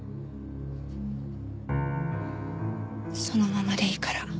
そのままでいいから。